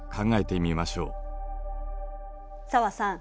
紗和さん